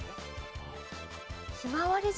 ひまわり島